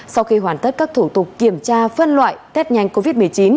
sau khi hoàn tất các thủ tục kiểm tra phân loại test nhanh covid một mươi chín